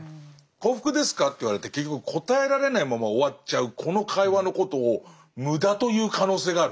「幸福ですか？」って言われて結局答えられないまま終わっちゃうこの会話のことを無駄という可能性がある。